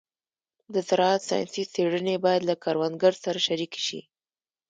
د زراعت ساینسي څېړنې باید له کروندګرو سره شریکې شي.